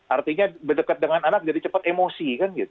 artinya berdekat dengan anak jadi cepat emosi